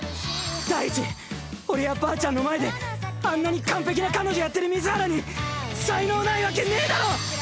第一俺やばあちゃんの前であんなに完璧な彼女やってる水原に才能ないわけねぇだろ！